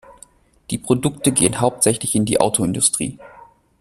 Die Produkte gehen hauptsächlich in die Autoindustrie.